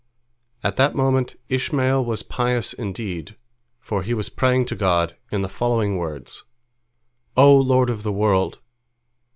" At that moment Ishmael was pious indeed, for he was praying to God in the following words: "O Lord of the world!